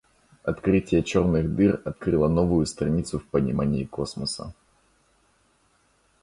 Открытие черных дыр открыло новую страницу в понимании космоса.